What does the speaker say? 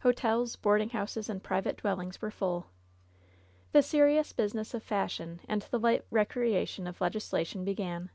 Hotels, boarding houses and private dwellings were full. The serious business of fashion and the light recrea tion of legislation began.